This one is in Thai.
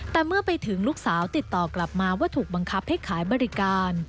แต่เมื่อไปถึงลูกสาวติดต่อกลับมาว่าถูกบังคับให้ขายบริการ